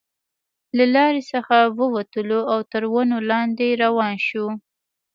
له لارې څخه وو وتلو او تر ونو لاندې روان شوو.